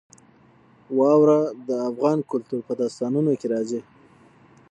واوره د افغان کلتور په داستانونو کې راځي.